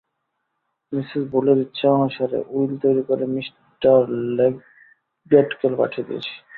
Mrs বুলের ইচ্ছানুসারে will তৈরী করে মি লেগেটকে পাঠিয়ে দিয়েছি।